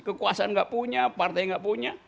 kekuasaan gak punya partai gak punya